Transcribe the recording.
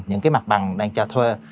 những mặt bằng đang cho thuê